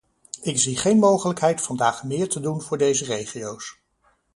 Ik zie geen mogelijkheid vandaag meer te doen voor deze regio's.